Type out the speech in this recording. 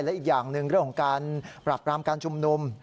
และอีกอย่างหนึ่งเรื่องของการปรับปรามการชุมนุม